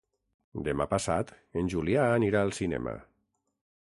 Demà passat en Julià anirà al cinema.